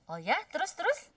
oh ya terus terus